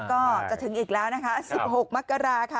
ก็จะถึงอีกแล้วนะคะ๑๖มกราค่ะ